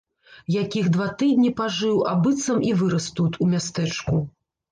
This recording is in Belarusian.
Якіх два тыдні пажыў, а быццам і вырас тут, у мястэчку.